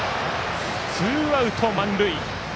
ツーアウト、満塁。